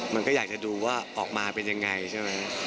มันก็อยากจะดูว่าออกมาเป็นยังไงใช่ไหม